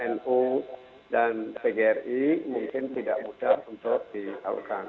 nu dan pgri mungkin tidak mudah untuk disalurkan